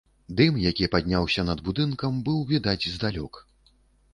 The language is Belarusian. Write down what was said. Дым, які падняўся над будынкам, быў відаць здалёк.